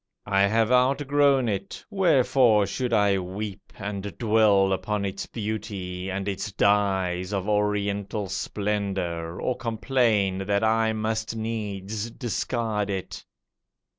I have outgrown it. Wherefore should I weep And dwell up on its beauty, and its dyes Of Oriental splendour, or complain That I must needs discard it?